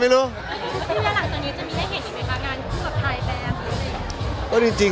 อ๋อไม่น่ะก็คือ